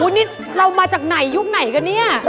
นี่เรามาจากไหนยุคไหนกันเนี่ย